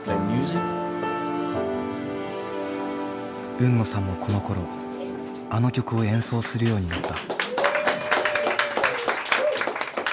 海野さんもこのころあの曲を演奏するようになった。